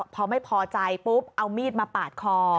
พอไม่พอใจปุ๊บเอามีดมาปาดคอ